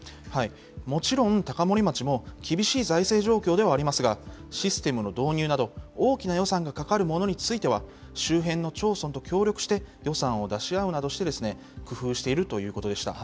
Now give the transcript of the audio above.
もちろん高森町も、厳しい財政状況ではありますが、システムの導入など、大きな予算がかかるものについては、周辺の町村と協力して、予算を出し合うなどして、工夫しているということでした。